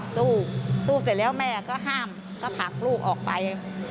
สู้สู้เสร็จแล้วแม่ก็ห้ามก็ผลักลูกออกไป